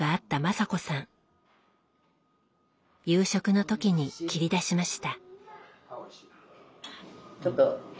夕食の時に切り出しました。